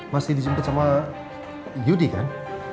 masih dijemput sama yudi kan